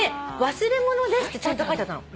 「忘れ物です」ってちゃんと書いてあったの。